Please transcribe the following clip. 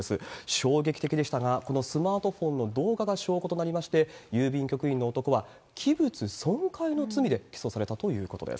衝撃的でしたが、このスマートフォンの動画が証拠となりまして、郵便局員の男は、器物損壊の罪で起訴されたということです。